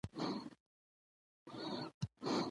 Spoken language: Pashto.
سل روپی پور کړه خپل زوی په بازار لوی کړه .